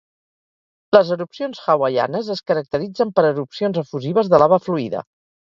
Les erupcions hawaianes es caracteritzen per erupcions efusives de lava fluida.